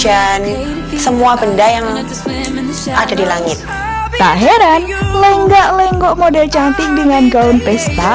jan semua benda yang ada di langit tak heran lenggak lenggok model cantik dengan gaun pesta